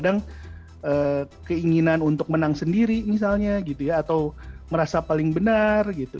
kadang keinginan untuk menang sendiri misalnya gitu ya atau merasa paling benar gitu